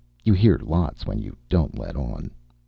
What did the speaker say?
You hear lots when you don't let on.